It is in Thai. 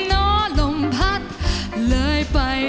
โปรดติดตามต่อไป